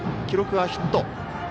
記録はヒット。